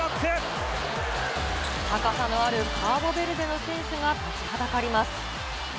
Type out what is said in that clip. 高さのあるカーボベルデの選手が立ちはだかります。